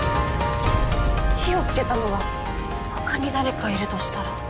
火をつけたのが他に誰かいるとしたら？